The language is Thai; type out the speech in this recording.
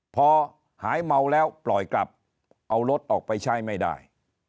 พอหายเมาแล้วปล่อยกลับเอารถออกไปใช้ไม่ได้